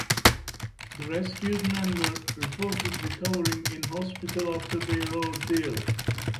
The rescued men were reported recovering in hospital after their ordeal.